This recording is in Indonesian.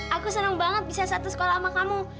aku senang banget bisa satu sekolah sama kamu